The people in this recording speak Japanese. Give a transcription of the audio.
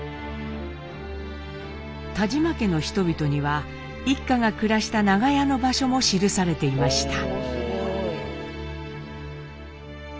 「田島家の人々」には一家が暮らした長屋の場所も記されていました。